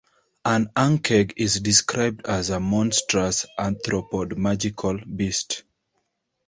An ankheg is described as a monstrous arthropod magical beast.